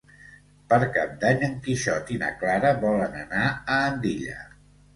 Per Cap d'Any en Quixot i na Clara volen anar a Andilla.